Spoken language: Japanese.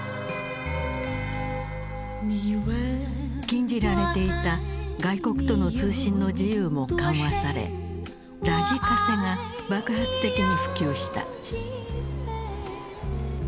禁じられていた外国との通信の自由も緩和されラジカセが爆発的に普及した。